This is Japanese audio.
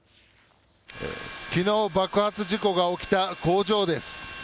きのう爆発事故が起きた工場です。